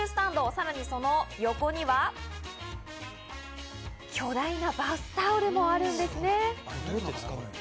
さらにその横には、巨大なバスタオルもあるんですね。